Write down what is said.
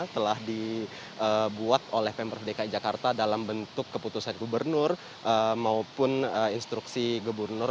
telah dibuat oleh pemprov dki jakarta dalam bentuk keputusan gubernur maupun instruksi gubernur